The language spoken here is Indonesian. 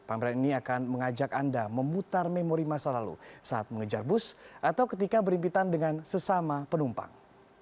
pameran ini akan mengajak anda memutar memori masa lalu saat mengejar bus atau ketika berimpitan dengan sesama penumpang